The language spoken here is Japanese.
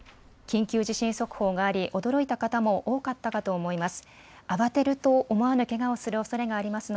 緊急地震速報があり驚いた方も多かったかと思います。